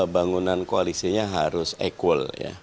bangunan koalisinya harus equal